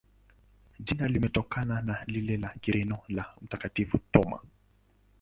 Jina limetokana na lile la Kireno la Mtakatifu Thoma.